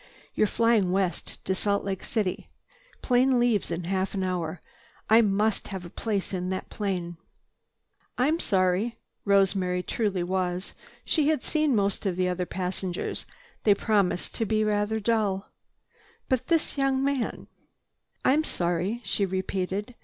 "You're flying west to Salt Lake City. Plane leaves in half an hour. I must have a place in that plane." "I'm sorry." Rosemary truly was. She had seen most of the other passengers. They promised to be rather dull. But this young man—"I'm sorry," she repeated.